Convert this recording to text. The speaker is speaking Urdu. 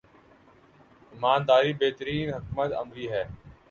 ایمان داری بہترین حکمت عملی ہے۔